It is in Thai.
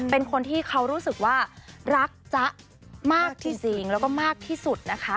เป็นคนที่เขารู้สึกว่ารักจ๊ะมากจริงแล้วก็มากที่สุดนะคะ